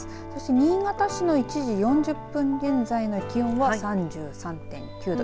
新潟市の１時４０分現在の気温は３３．９度。